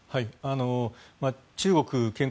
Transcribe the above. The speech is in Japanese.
中国建国